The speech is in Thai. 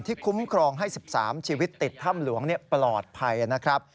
คุ้มครองให้๑๓ชีวิตติดถ้ำหลวงปลอดภัยนะครับ